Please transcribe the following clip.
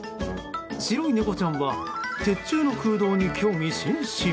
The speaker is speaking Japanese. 白い猫ちゃんは鉄柱の空洞に興味津々。